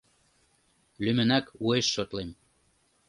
— Лӱмынак уэш шотлем...